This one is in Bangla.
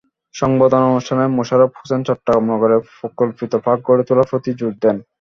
সংবর্ধনা অনুষ্ঠানে মোশাররফ হোসেন চট্টগ্রাম নগরে পরিকল্পিত পার্ক গড়ে তোলার প্রতি জোর দেন।